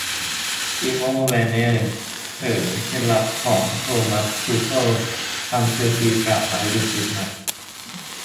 ติโม่ แวร์เนอร์ เผยเคล็ดลับของ โทมัส ทูเคิ่ล ทำ เชลซี ปราบ มาดริด อยู่หมัด